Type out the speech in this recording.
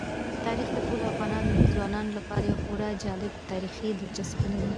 تاریخ د ټولو افغان ځوانانو لپاره یوه خورا جالب تاریخي دلچسپي لري.